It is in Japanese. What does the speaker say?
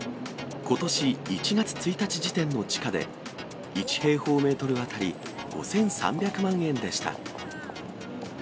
ことし１月１日時点の地価で、１平方メートル当たり５３００万円でした。